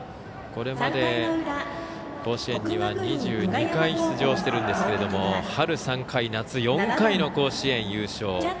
これまで甲子園には２２回出場してるんですけども春３回、夏４回の甲子園優勝。